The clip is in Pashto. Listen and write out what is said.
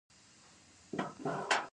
ازادي هلته ارزښت لري.